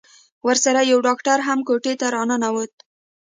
ورسره يو ډاکتر هم کوټې ته راننوت.